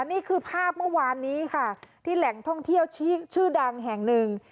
นี่คือภาพเมื่อวานนี้ค่ะที่แหล่งท่องเที่ยวชื่อดังแห่งหนึ่ง